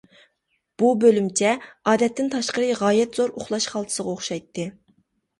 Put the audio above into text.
بۇ بۆلۈمچە ئادەتتىن تاشقىرى غايەت زور ئۇخلاش خالتىسىغا ئوخشايتتى.